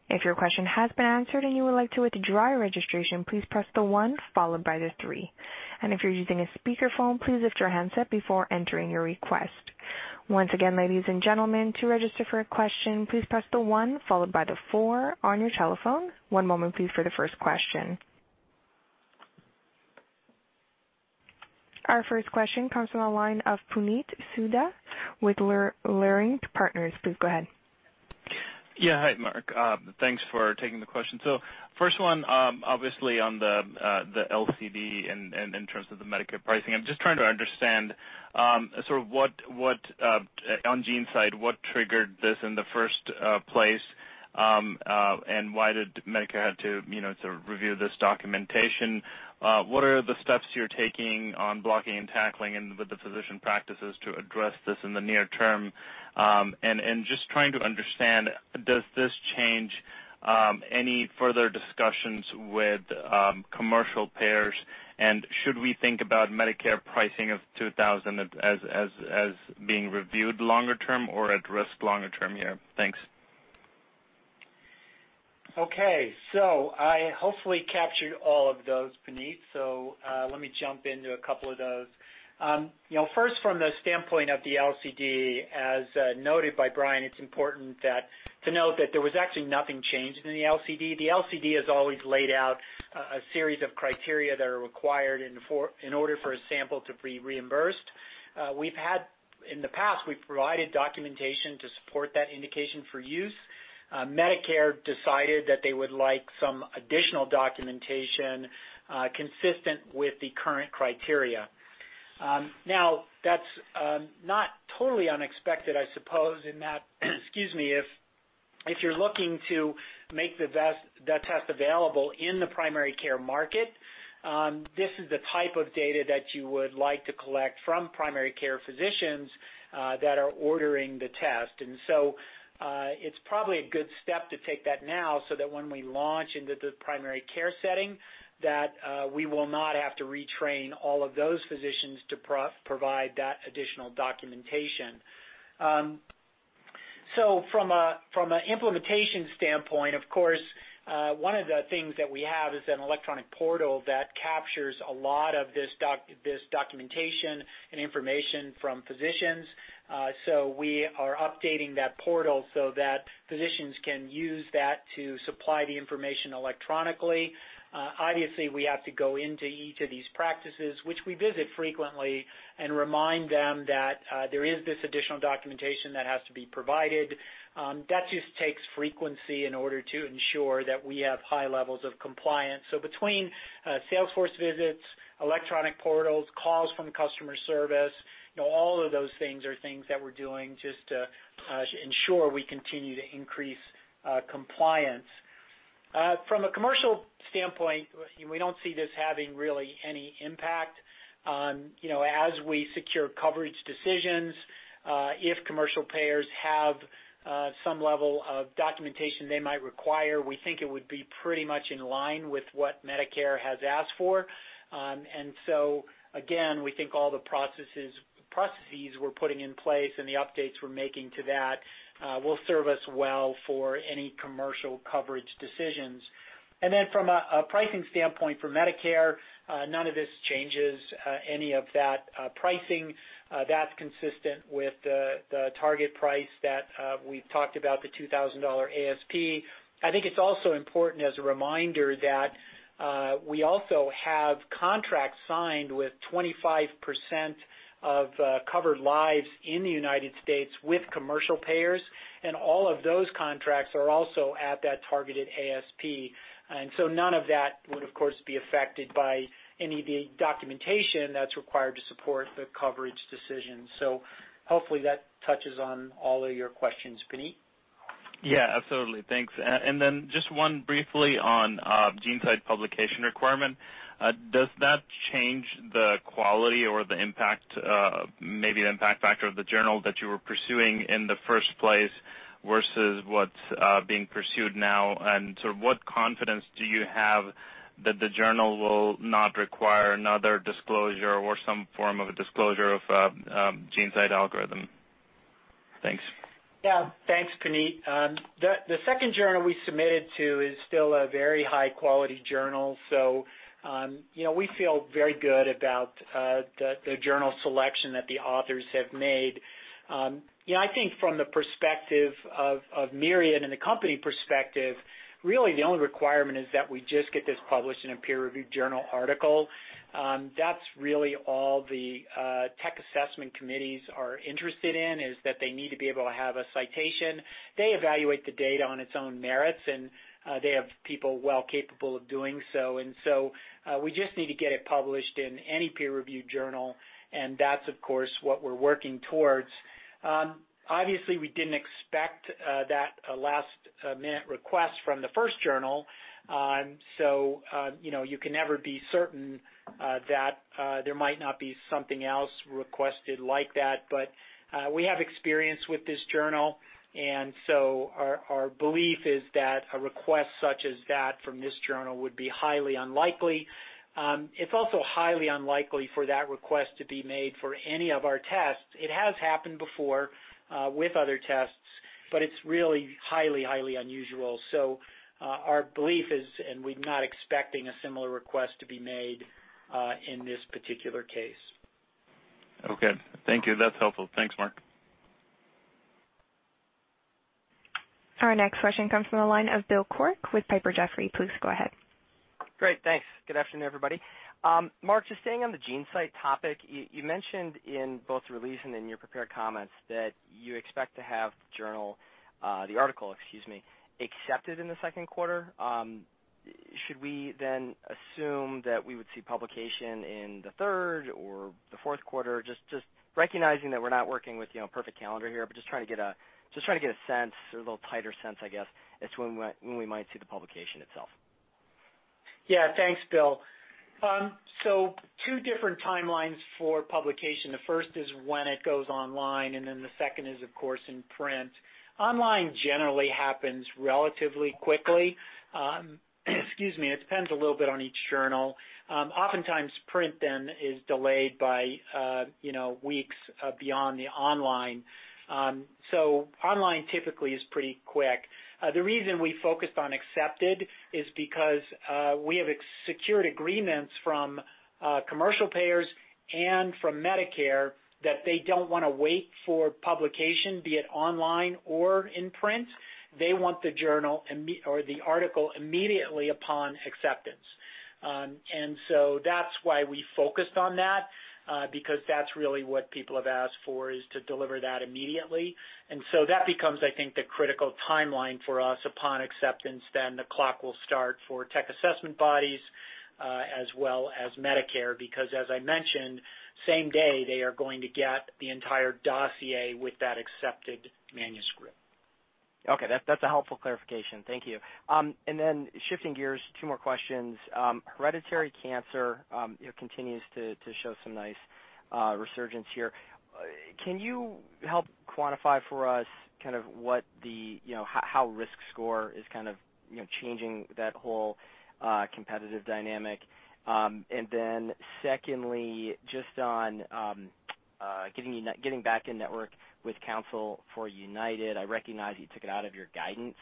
A: If your question has been answered and you would like to withdraw your registration, please press the one followed by the three. If you're using a speakerphone, please lift your handset before entering your request. Once again, ladies and gentlemen, to register for a question, please press the one followed by the four on your telephone. One moment, please, for the first question. Our first question comes from the line of Puneet Souda with Leerink Partners. Please go ahead.
E: Yeah. Hi, Mark. Thanks for taking the question. First one, obviously on the LCD and in terms of the Medicare pricing, I'm just trying to understand on GeneSight, what triggered this in the first place, and why did Medicare have to sort of review this documentation? What are the steps you're taking on blocking and tackling and with the physician practices to address this in the near term? Just trying to understand, does this change any further discussions with commercial payers? Should we think about Medicare pricing of $2,000 as being reviewed longer term or at risk longer term here? Thanks.
C: Okay. I hopefully captured all of those, Puneet. Let me jump into a couple of those. First, from the standpoint of the LCD, as noted by Bryan, it's important to note that there was actually nothing changed in the LCD. The LCD has always laid out a series of criteria that are required in order for a sample to be reimbursed. In the past, we've provided documentation to support that indication for use. Medicare decided that they would like some additional documentation, consistent with the current criteria. That's not totally unexpected, I suppose, in that, excuse me, if you're looking to make the test available in the primary care market, this is the type of data that you would like to collect from primary care physicians that are ordering the test. It's probably a good step to take that now so that when we launch into the primary care setting, that we will not have to retrain all of those physicians to provide that additional documentation. From an implementation standpoint, of course, one of the things that we have is an electronic portal that captures a lot of this documentation and information from physicians. We are updating that portal so that physicians can use that to supply the information electronically. Obviously, we have to go into each of these practices, which we visit frequently, and remind them that there is this additional documentation that has to be provided. That just takes frequency in order to ensure that we have high levels of compliance. Between sales force visits, electronic portals, calls from customer service, all of those things are things that we're doing just to ensure we continue to increase compliance. From a commercial standpoint, we don't see this having really any impact. As we secure coverage decisions, if commercial payers have some level of documentation they might require, we think it would be pretty much in line with what Medicare has asked for. Again, we think all the processes we're putting in place and the updates we're making to that will serve us well for any commercial coverage decisions. From a pricing standpoint for Medicare, none of this changes any of that pricing. That's consistent with the target price that we've talked about, the $2,000 ASP. I think it's also important as a reminder that we also have contracts signed with 25% of covered lives in the U.S. with commercial payers, and all of those contracts are also at that targeted ASP. None of that would, of course, be affected by any of the documentation that's required to support the coverage decision. Hopefully that touches on all of your questions, Puneet.
E: Yeah, absolutely. Thanks. Just one briefly on GeneSight publication requirement. Does that change the quality or maybe the impact factor of the journal that you were pursuing in the first place versus what's being pursued now? What confidence do you have that the journal will not require another disclosure or some form of a disclosure of GeneSight algorithm? Thanks.
C: Yeah. Thanks, Puneet. The second journal we submitted to is still a very high-quality journal, so we feel very good about the journal selection that the authors have made. I think from the perspective of Myriad and the company perspective, really the only requirement is that we just get this published in a peer-reviewed journal article. That's really all the tech assessment committees are interested in, is that they need to be able to have a citation. They evaluate the data on its own merits, and they have people well capable of doing so. We just need to get it published in any peer-reviewed journal, and that's, of course, what we're working towards. Obviously, we didn't expect that last-minute request from the first journal. You can never be certain that there might not be something else requested like that. We have experience with this journal, and so our belief is that a request such as that from this journal would be highly unlikely. It's also highly unlikely for that request to be made for any of our tests. It has happened before with other tests, but it's really highly unusual. Our belief is, and we're not expecting a similar request to be made in this particular case.
E: Okay. Thank you. That's helpful. Thanks, Mark.
A: Our next question comes from the line of Bill Quirk with Piper Jaffray. Please go ahead.
F: Great. Thanks. Good afternoon, everybody. Mark, just staying on the GeneSight topic, you mentioned in both the release and in your prepared comments that you expect to have the article accepted in the second quarter. Should we then assume that we would see publication in the third or the fourth quarter? Just recognizing that we're not working with perfect calendar here, but just trying to get a sense, a little tighter sense, I guess, as to when we might see the publication itself.
C: Thanks, Bill. Two different timelines for publication. The first is when it goes online, the second is, of course, in print. Online generally happens relatively quickly. Excuse me. It depends a little bit on each journal. Oftentimes, print is delayed by weeks beyond the online. Online typically is pretty quick. The reason we focused on accepted is because we have secured agreements from commercial payers and from Medicare that they don't want to wait for publication, be it online or in print. They want the article immediately upon acceptance. That's why we focused on that because that's really what people have asked for, is to deliver that immediately. That becomes, I think, the critical timeline for us upon acceptance, then the clock will start for tech assessment bodies as well as Medicare, because as I mentioned, same day, they are going to get the entire dossier with that accepted manuscript.
F: Okay. That's a helpful clarification. Thank you. Shifting gears, two more questions. Hereditary cancer continues to show some nice resurgence here. Can you help quantify for us how RiskScore is kind of changing that whole competitive dynamic? Secondly, just on getting back in network with Counsyl for UnitedHealthcare, I recognize you took it out of your guidance.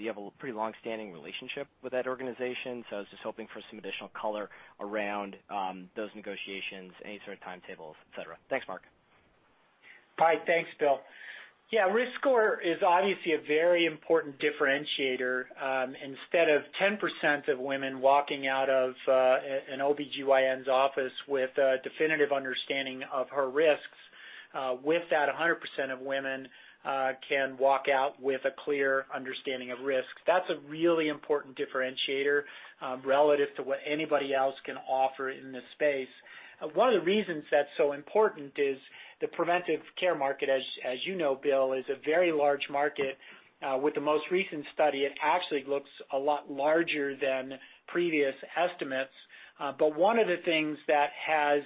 F: You have a pretty long-standing relationship with that organization, I was just hoping for some additional color around those negotiations, any sort of timetables, et cetera. Thanks, Mark.
C: Thanks, Bill. RiskScore is obviously a very important differentiator. Instead of 10% of women walking out of an OBGYN's office with a definitive understanding of her risks, with that 100% of women can walk out with a clear understanding of risks. That's a really important differentiator relative to what anybody else can offer in this space. One of the reasons that's important is the preventive care market, as you know, Bill, is a very large market. With the most recent study, it actually looks a lot larger than previous estimates. One of the things that has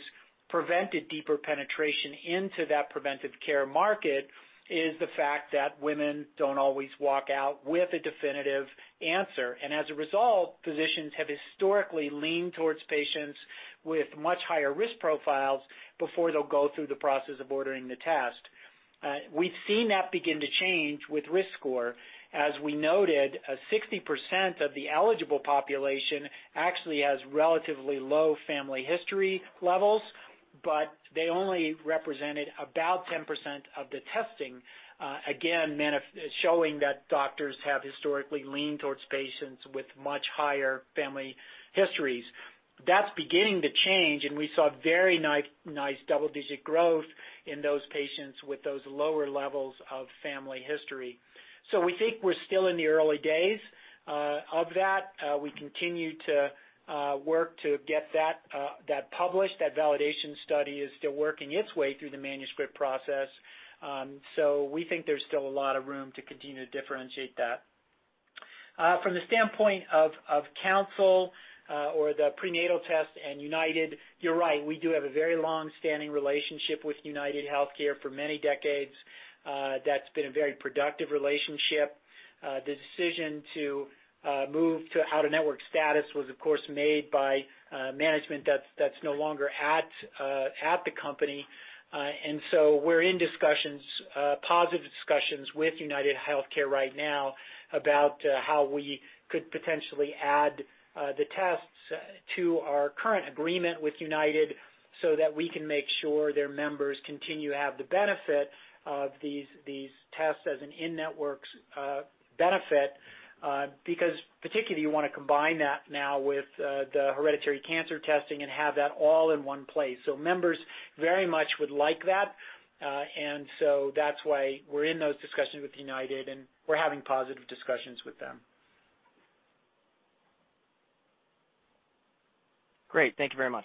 C: prevented deeper penetration into that preventive care market is the fact that women don't always walk out with a definitive answer. As a result, physicians have historically leaned towards patients with much higher risk profiles before they'll go through the process of ordering the test. We've seen that begin to change with RiskScore. As we noted, 60% of the eligible population actually has relatively low family history levels, but they only represented about 10% of the testing. Again, showing that doctors have historically leaned towards patients with much higher family histories. That's beginning to change, and we saw very nice double-digit growth in those patients with those lower levels of family history. We think we're still in the early days of that. We continue to work to get that published. That validation study is still working its way through the manuscript process. We think there's still a lot of room to continue to differentiate that. From the standpoint of Counsyl, or the prenatal test and United, you're right, we do have a very long-standing relationship with UnitedHealthcare for many decades. That's been a very productive relationship. The decision to move to out-of-network status was, of course, made by management that's no longer at the company. We're in positive discussions with UnitedHealthcare right now about how we could potentially add the tests to our current agreement with United so that we can make sure their members continue to have the benefit of these tests as an in-networks benefit, because particularly you want to combine that now with the hereditary cancer testing and have that all in one place. Members very much would like that. That's why we're in those discussions with United and we're having positive discussions with them.
F: Great. Thank you very much.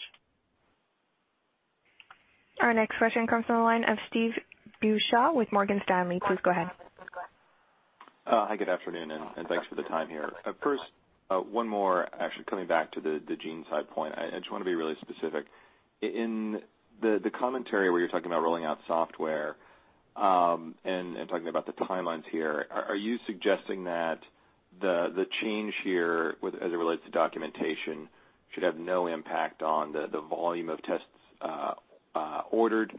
A: Our next question comes from the line of Steve Beuchaw with Morgan Stanley. Please go ahead.
G: Hi, good afternoon, and thanks for the time here. First, one more actually coming back to the GeneSight point. I just want to be really specific. In the commentary where you're talking about rolling out software, and talking about the timelines here, are you suggesting that the change here as it relates to documentation should have no impact on the volume of tests ordered?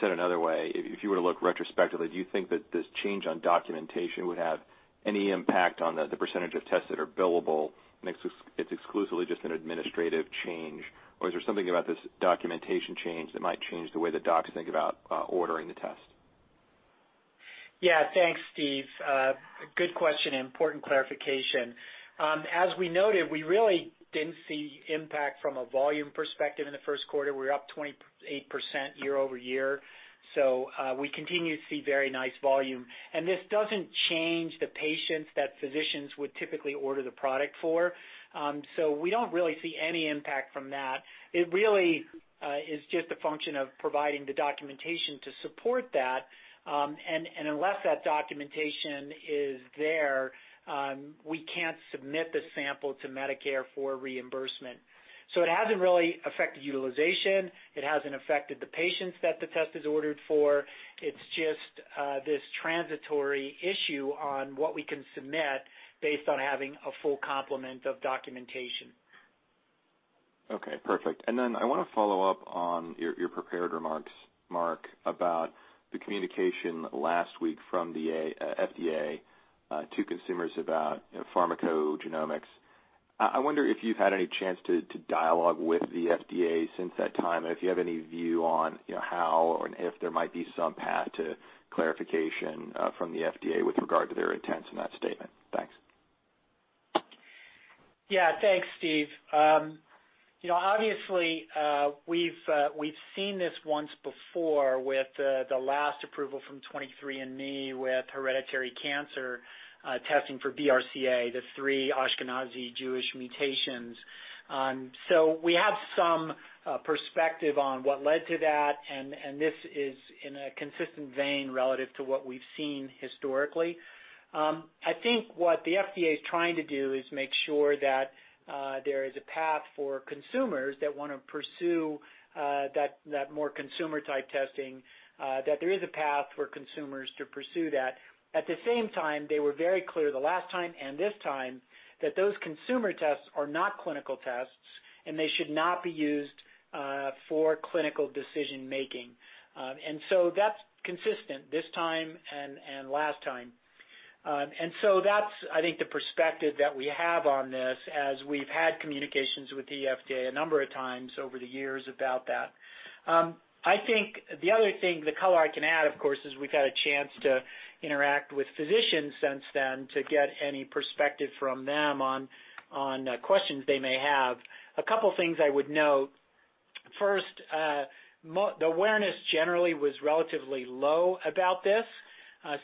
G: Said another way, if you were to look retrospectively, do you think that this change on documentation would have any impact on the percentage of tests that are billable, and it's exclusively just an administrative change? Or is there something about this documentation change that might change the way that docs think about ordering the test?
C: Yeah. Thanks, Steve. Good question, important clarification. As we noted, we really didn't see impact from a volume perspective in the first quarter. We were up 28% year-over-year. We continue to see very nice volume. This doesn't change the patients that physicians would typically order the product for. We don't really see any impact from that. It really is just a function of providing the documentation to support that, and unless that documentation is there, we can't submit the sample to Medicare for reimbursement. It hasn't really affected utilization. It hasn't affected the patients that the test is ordered for. It's just this transitory issue on what we can submit based on having a full complement of documentation.
G: Okay, perfect. I want to follow up on your prepared remarks, Mark, about the communication last week from the FDA to consumers about pharmacogenomics. I wonder if you've had any chance to dialogue with the FDA since that time, and if you have any view on how or if there might be some path to clarification from the FDA with regard to their intents in that statement. Thanks.
C: Yeah. Thanks, Steve. Obviously, we've seen this once before with the last approval from 23andMe with hereditary cancer testing for BRCA, the three Ashkenazi Jewish mutations. We have some perspective on what led to that, and this is in a consistent vein relative to what we've seen historically. I think what the FDA's trying to do is make sure that there is a path for consumers that want to pursue that more consumer-type testing, that there is a path for consumers to pursue that. At the same time, they were very clear the last time and this time that those consumer tests are not clinical tests and they should not be used for clinical decision-making. That's consistent this time and last time. That's, I think, the perspective that we have on this as we've had communications with the FDA a number of times over the years about that. I think the other thing, the color I can add, of course, is we've had a chance to interact with physicians since then to get any perspective from them on questions they may have. A couple of things I would note. First, the awareness generally was relatively low about this.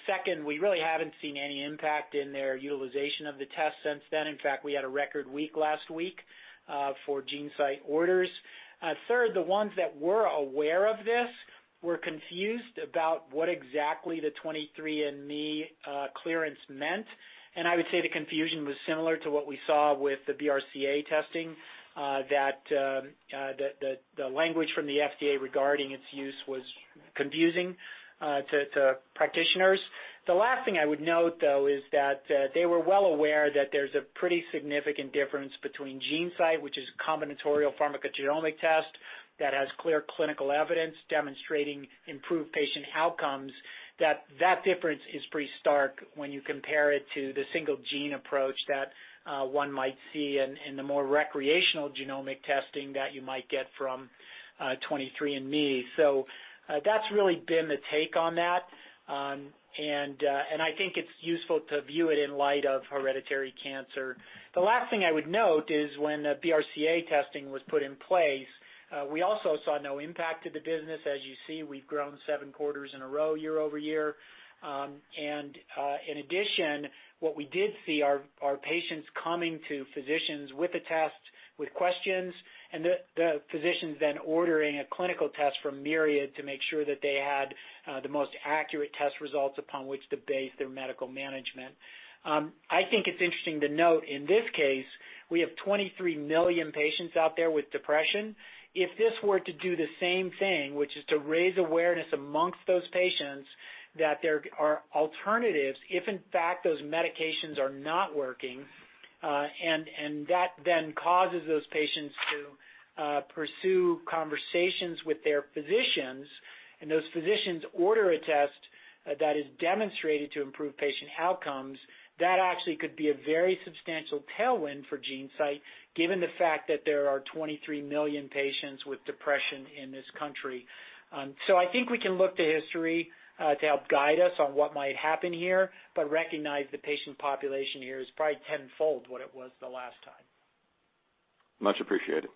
C: Second, we really haven't seen any impact in their utilization of the test since then. In fact, we had a record week last week for GeneSight orders. Third, the ones that were aware of this were confused about what exactly the 23andMe clearance meant, and I would say the confusion was similar to what we saw with the BRCA testing, that the language from the FDA regarding its use was confusing to practitioners. The last thing I would note, though, is that they were well aware that there's a pretty significant difference between GeneSight, which is a combinatorial pharmacogenomic test that has clear clinical evidence demonstrating improved patient outcomes, that difference is pretty stark when you compare it to the single gene approach that one might see in the more recreational genomic testing that you might get from 23andMe. That's really been the take on that. And I think it's useful to view it in light of hereditary cancer. The last thing I would note is when BRCA testing was put in place, we also saw no impact to the business. As you see, we've grown seven quarters in a row year-over-year. In addition, what we did see are patients coming to physicians with a test, with questions, and the physicians then ordering a clinical test from Myriad to make sure that they had the most accurate test results upon which to base their medical management. I think it's interesting to note, in this case, we have 23 million patients out there with depression. If this were to do the same thing, which is to raise awareness amongst those patients that there are alternatives if in fact, those medications are not working, and that then causes those patients to pursue conversations with their physicians, and those physicians order a test that is demonstrated to improve patient outcomes, that actually could be a very substantial tailwind for GeneSight, given the fact that there are 23 million patients with depression in this country. I think we can look to history to help guide us on what might happen here, but recognize the patient population here is probably tenfold what it was the last time.
G: Much appreciated.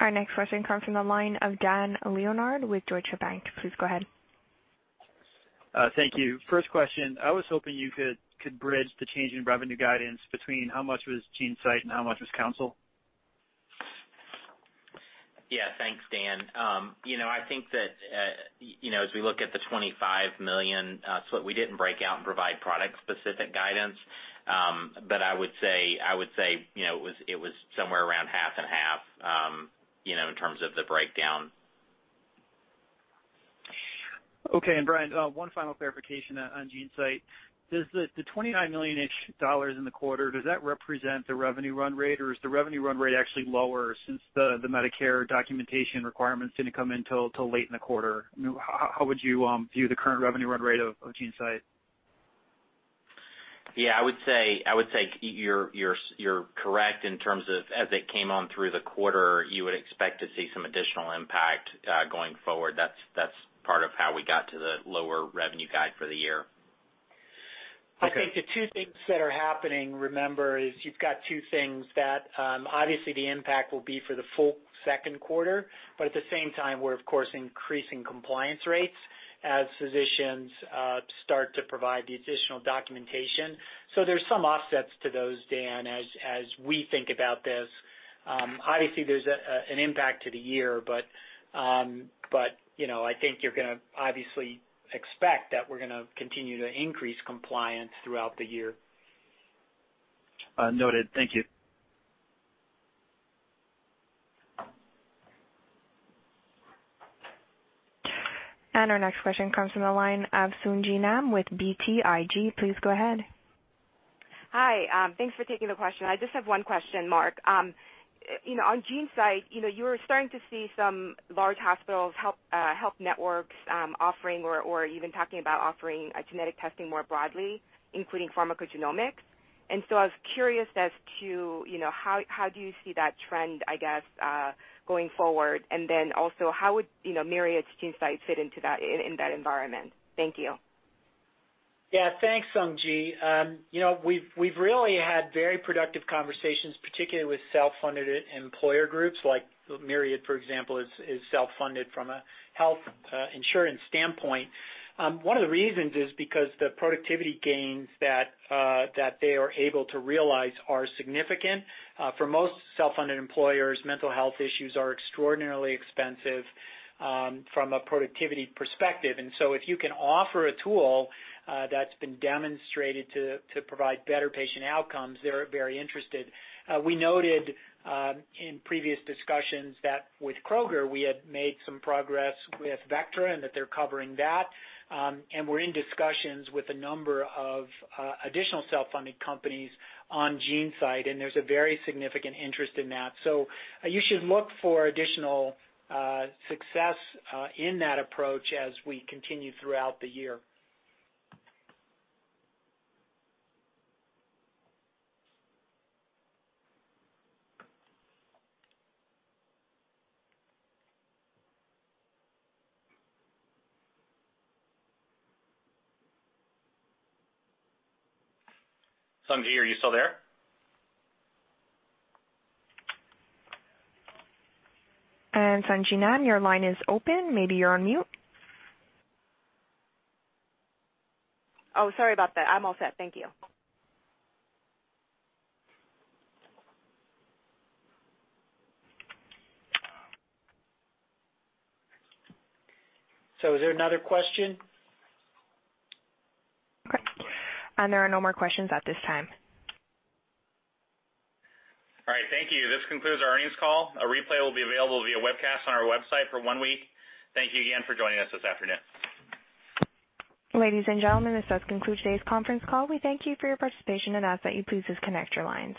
A: Our next question comes from the line of Dan Leonard with Deutsche Bank. Please go ahead.
H: Thank you. First question. I was hoping you could bridge the change in revenue guidance between how much was GeneSight and how much was Counsyl.
D: Yeah. Thanks, Dan. I think that as we look at the $25 million, we didn't break out and provide product specific guidance. I would say it was somewhere around half and half in terms of the breakdown.
H: Okay. Bryan, one final clarification on GeneSight. Does the $29 million-ish in the quarter, does that represent the revenue run rate, or is the revenue run rate actually lower since the Medicare documentation requirement's going to come until late in the quarter? How would you view the current revenue run rate of GeneSight?
D: Yeah, I would say you're correct in terms of as it came on through the quarter, you would expect to see some additional impact going forward. That's part of how we got to the lower revenue guide for the year.
H: Okay.
C: I think the two things that are happening, remember, is you've got two things that, obviously the impact will be for the full second quarter, but at the same time, we're of course increasing compliance rates as physicians start to provide the additional documentation. There's some offsets to those, Dan, as we think about this. Obviously, there's an impact to the year, I think you're going to obviously expect that we're going to continue to increase compliance throughout the year.
H: Noted. Thank you.
A: Our next question comes from the line of Sung Ji Nam with BTIG. Please go ahead.
I: Hi. Thanks for taking the question. I just have one question, Mark. On GeneSight, you are starting to see some large hospitals, health networks offering or even talking about offering genetic testing more broadly, including pharmacogenomics. I was curious as to how do you see that trend, I guess, going forward? How would Myriad's GeneSight fit in that environment? Thank you.
C: Yeah. Thanks, Sung Ji. We've really had very productive conversations, particularly with self-funded employer groups, like Myriad, for example, is self-funded from a health insurance standpoint. One of the reasons is because the productivity gains that they are able to realize are significant. For most self-funded employers, mental health issues are extraordinarily expensive from a productivity perspective. If you can offer a tool that's been demonstrated to provide better patient outcomes, they're very interested. We noted in previous discussions that with Kroger we had made some progress with Vectra and that they're covering that. We're in discussions with a number of additional self-funding companies on GeneSight, and there's a very significant interest in that. You should look for additional success in that approach as we continue throughout the year.
D: Sung Ji, are you still there?
A: Sung Ji Nam, your line is open. Maybe you're on mute.
I: Oh, sorry about that. I'm all set. Thank you.
C: Is there another question?
A: There are no more questions at this time.
D: All right. Thank you. This concludes our earnings call. A replay will be available via webcast on our website for one week. Thank you again for joining us this afternoon.
A: Ladies and gentlemen, this does conclude today's conference call. We thank you for your participation and ask that you please disconnect your lines.